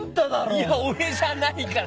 いや俺じゃないから。